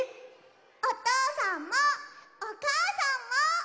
おとうさんもおかあさんも。